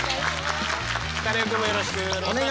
カネオくんもよろしくお願いします。